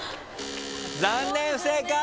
残念不正解！